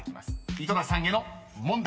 ［井戸田さんへの問題］